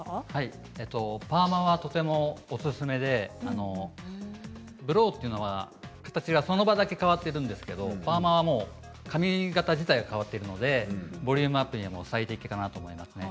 パーマはとてもおすすめでブローというのは形がその場で変わるんですがパーマは髪の形自体が変わっているので、ボリュームアップに最適だと思います。